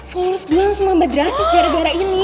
kalau harus gue langsung nambah drastis gara gara ini